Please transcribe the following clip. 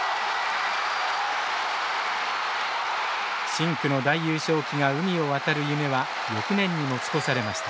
深紅の大優勝旗が海を渡る夢は翌年に持ち越されました。